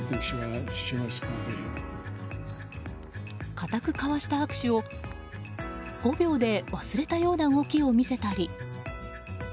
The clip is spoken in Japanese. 固く交わした握手を５秒で忘れたような動きを見せたり。